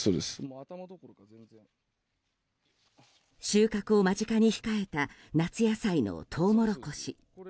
収穫を間近に控えた夏野菜のトウモロコシ。